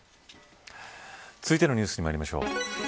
続いてのニュースにまいりましょう。